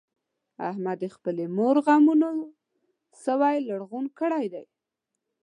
احمد د خپلې مور غمونو سوی لوغړن کړی دی.